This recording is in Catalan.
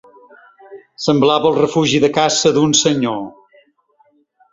Semblava el refugi de caça d'un senyor.